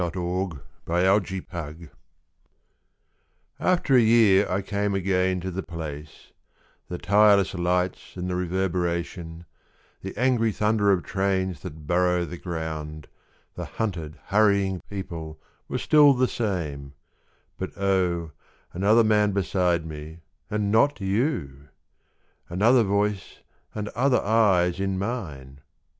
IN A SUBWAY STATION AFTER a year I came again to the place; The tireless lights and the reverberation, The angry thunder of trains that burrow the ground, The hunted, hurrying people were still the same But oh, another man beside me and not you! Another voice and other eyes in mine!